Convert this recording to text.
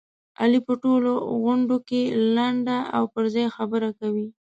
علي په ټولو غونډوکې لنډه او پرځای خبره کوي.